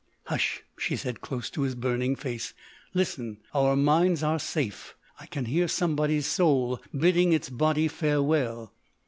"Hush," she said close to his burning face. "Listen. Our minds are safe! I can hear somebody's soul bidding its body farewell!"